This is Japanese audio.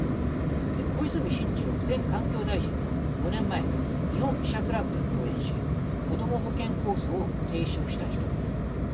小泉進次郎前環境大臣も５年前日本記者クラブで講演しこども保険構想を提唱した一人です。